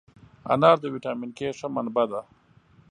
انار د ویټامین K ښه منبع ده.